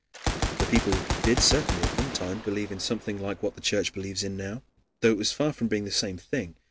The people did certainly at one time believe in something like what the Church believes in now, though it was far from being the same thing.